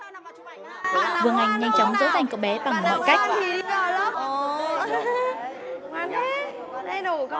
trước khi ăn hai nhân vật phải cho các bé xếp hàng rửa tay sạch sẽ